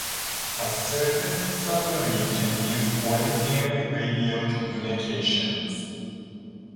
A surfaced submarine can use ordinary radio communications.